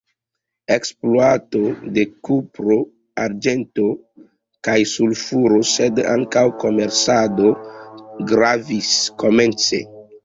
Ekspluato de kupro, arĝento kaj sulfuro sed ankaŭ komercado gravis komence.